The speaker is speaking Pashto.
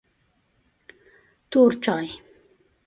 توري چای